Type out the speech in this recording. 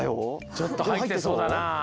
ちょっとはいってそうだなあ。